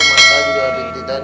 mata juga abintitan